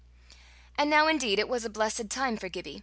And now indeed it was a blessed time for Gibbie.